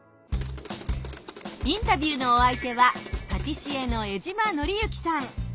インタビューのお相手はパティシエの江島則之さん。